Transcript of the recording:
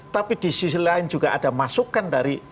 tapi di sisi lain juga ada masukan dari